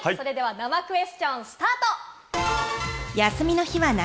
生クエスチョンスタート。